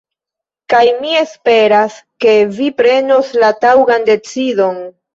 Kaj mi esperas ke vi prenos la taŭgan decidon